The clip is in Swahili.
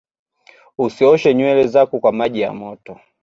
usioshe nywere zako kwa maji ya moto